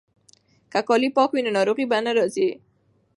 که کالي پاک وي نو ناروغي نه راځي.